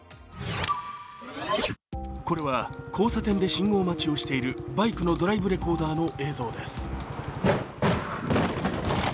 これは交差点で信号待ちをしているバイクのドライブレコーダーの映像です。